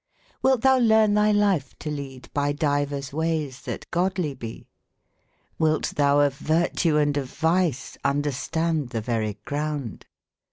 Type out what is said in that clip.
^ilte thou leame tbv life to leade, by divers ways tbat I godly be? iHilt tbou of vertue and of vice, under stande tbe very grounde ?